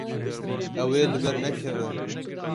Ew ê li ber nekeve.